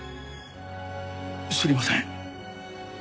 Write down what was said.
知りません。